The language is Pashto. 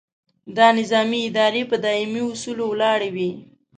دا نظامي ادارې په دایمي اصولو ولاړې وي.